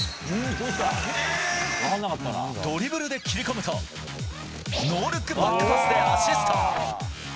ドリブルで切り込むとノールックバックパスでアシスト。